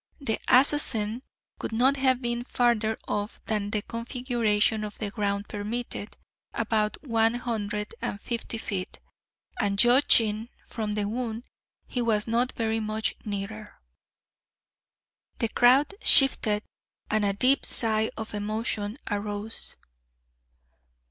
The assassin could not have been farther off than the configuration of the ground permitted about one hundred and fifty feet and judging from the wound, he was not very much nearer." The crowd shifted and a deep sigh of emotion arose.